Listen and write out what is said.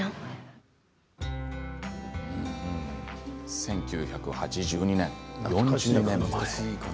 １９８２年、４０年前。